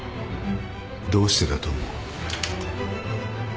どうしてだと思う？